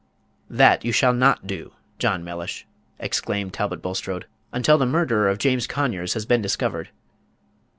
"That you shall not do, John Mellish," exclaimed Talbot Bulstrode, "until the murderer of James Conyers has been discovered.